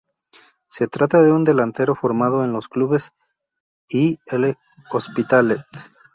Se trata de un delantero formado en los clubes y L'Hospitalet.